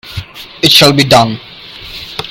It shall be done!